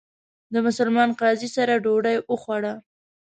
د مسلمان قاضي سره ډوډۍ وخوړه.